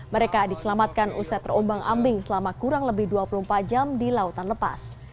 mereka diselamatkan usai terombang ambing selama kurang lebih dua puluh empat jam di lautan lepas